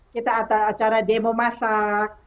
kita ada acara demo masak